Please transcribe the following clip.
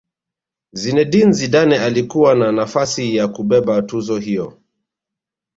zinedine zidane alikuwa na nafasi ya kubeba tuzo hiyo